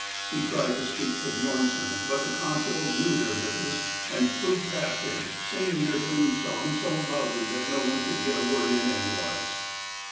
He tried to speak to Bjornson, but the constables knew their business, and flew past him, singing their canoe song so loudly that no one could get a word in edgewise.